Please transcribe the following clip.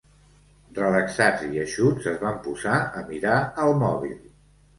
Relaxats i eixuts, es van posar a mirar el mòbil.